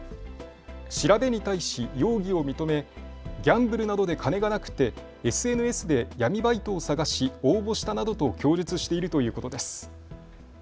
調べに対し容疑を認めギャンブルなどで金がなくてＳＮＳで闇バイトを探し応募したなどと供述しているということです。